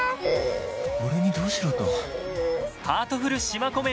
俺にどうしろと？